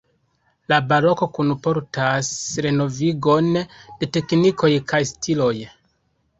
La baroko kunportas renovigon de teknikoj kaj stiloj.